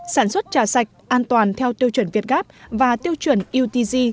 sản xuất trà sạch an toàn theo tiêu chuẩn việt gáp và tiêu chuẩn itg